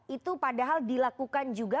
itu padahal dilakukan juga